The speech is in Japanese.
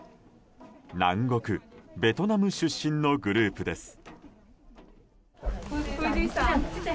南国ベトナム出身のグループです。